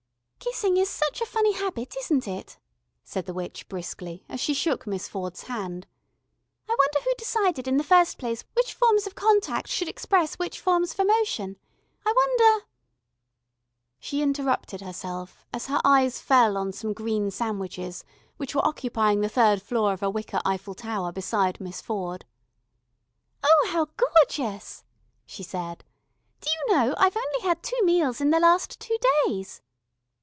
"Kissing is such a funny habit, isn't it," said the witch briskly as she shook Miss Ford's hand. "I wonder who decided in the first place which forms of contact should express which forms of emotion. I wonder " She interrupted herself as her eyes fell on some green sandwiches which were occupying the third floor of a wicker Eiffel Tower beside Miss Ford. "Oh how gorgeous," she said. "Do you know, I've only had two meals in the last two days."